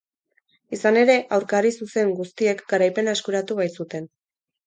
Izan ere, aurkari zuzen guztiek garaipena eskuratu baitzuten.